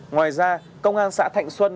ngoài ra công an xã thành xuân